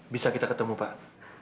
bisa kita ketemu pak